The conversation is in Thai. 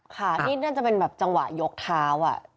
ค่ะนี่น่าจะเป็นแบบจังหวะยกเท้า